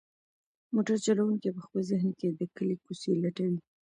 موټر چلونکی په خپل ذهن کې د کلي کوڅې لټوي.